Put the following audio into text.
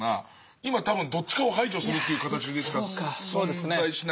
今多分どっちかを排除するという形でしか存在しないかなと思って。